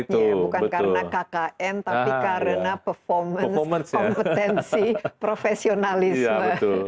bukan karena kkn tapi karena performance kompetensi profesionalisme